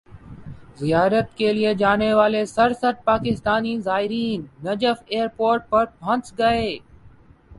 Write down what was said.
زیارت کیلئے جانے والے سرسٹھ پاکستانی زائرین نجف ایئرپورٹ پر پھنس گئے